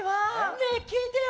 ねえ聞いてよ！